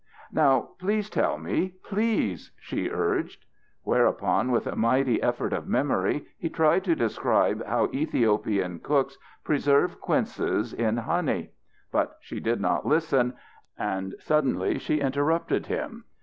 "Now please tell me, please," she urged. Whereupon with a mighty effort of memory he tried to describe how Ethiopian cooks preserve quinces in honey. But she did not listen. And suddenly, she interrupted him.